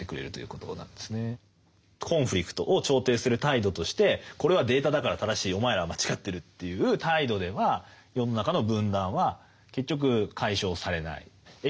コンフリクトを調停する態度としてこれはデータだから正しいお前らは間違ってるという態度では世の中の分断は結局解消されない。ということも重要ですよね。